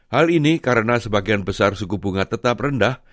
hal ini karena sebagian besar suku bunga tetap rendah